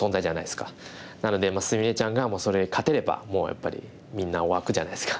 なので菫ちゃんがそれに勝てればもうやっぱりみんな沸くじゃないですか。